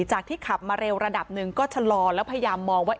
ที่ขับมาเร็วระดับหนึ่งก็ชะลอแล้วพยายามมองว่า